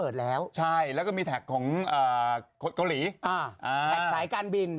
แท็กสายการบิน